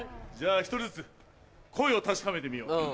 じゃあ１人ずつ声を確かめてみよう。